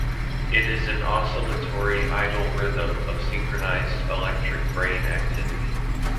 It is an oscillatory idle rhythm of synchronized electric brain activity.